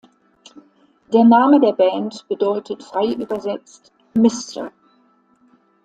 Der Name der Band bedeutet frei übersetzt: "Mr.